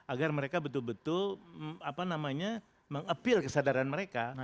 agar mereka betul betul meng appeal kesadaran mereka